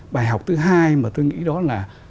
bài học thứ hai mà tôi nghĩ đó là